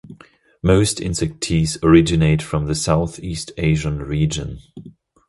Most insect teas originate from the Southeast Asian region.